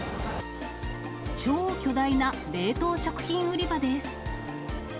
超巨大な冷凍食品売り場です。